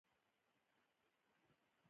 خاموش او خوږ ږغ